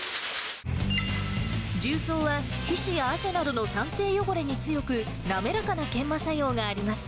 重曹は皮脂や汗などの酸性汚れに強く、滑らかな研磨作用があります。